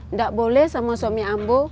nggak boleh sama suami ambo